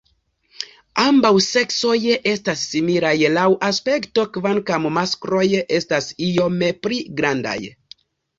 Ambaŭ seksoj estas similaj laŭ aspekto kvankam maskloj estas iome pli grandaj.